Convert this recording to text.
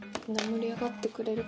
盛り上がってる！